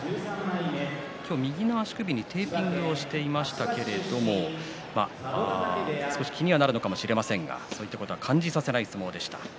今日は右の足首にテーピングをしていましたけれど少し気にはなるのかもしれませんが感じさせない相撲でした。